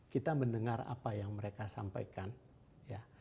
kita mendengar apa yang mereka sampaikan ya